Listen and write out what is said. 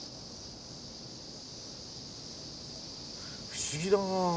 不思議だな。